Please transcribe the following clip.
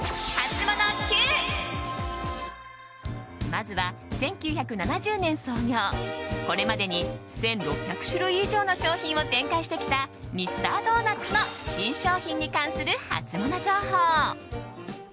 まずは、１９７０年創業これまでに１６００種類以上の商品を展開してきたミスタードーナツの新商品に関するハツモノ情報。